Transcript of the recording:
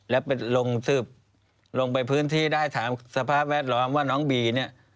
แล้วไปลงสืบลงไปพื้นที่ได้ถามสภาพแวดล้อมว่าน้องบีเนี่ย